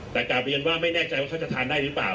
แต่กลับเรียนว่าไม่แน่ใจว่าเขาจะทานได้หรือเปล่า